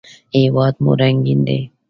هېواد مو رنګین دی